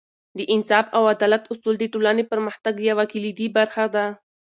د انصاف او عدالت اصول د ټولنې پرمختګ یوه کلیدي برخه ده.